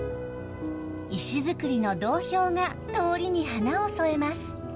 石造りの道標が通りに華を添えます。